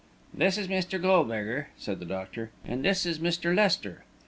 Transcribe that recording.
"This is Mr. Goldberger," said the doctor, "and this is Mr. Lester."